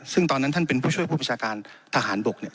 ซึ่งตอนนั้นท่านเป็นผู้ช่วยผู้บัญชาการทหารบกเนี่ย